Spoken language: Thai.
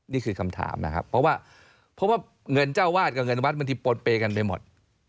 นี่คือคำถามนะครับเพราะว่าเพราะว่าเงินเจ้าวาดกับเงินวัดบางทีปนเปย์กันไปหมด